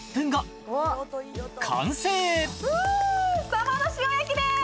さばの塩焼きです